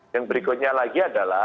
yang berikutnya lagi adalah